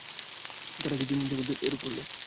তারা কিছুদিন যাবত এরূপ করল।